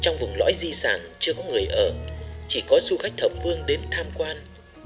trong vùng lõi di sản chưa có người ở chỉ có du khách thập vương đến tham quan